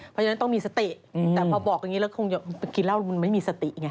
เพราะฉะนั้นต้องมีสติแต่พอบอกอย่างนี้แล้วคงกินเหล้าแล้วมันไม่มีสติไง